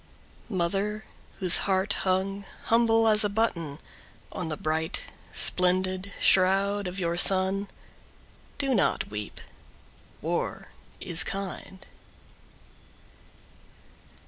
Mother whose heart hung humble as a button On the bright splendid shroud of your son, Do not weep. War is kind.